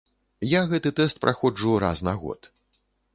Я гэты тэст праходжу раз на год.